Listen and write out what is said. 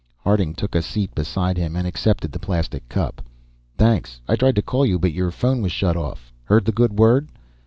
Harding took a seat beside him, and accepted the plastic cup. "Thanks. I tried to call you, but your phone was shut off. Heard the good word?"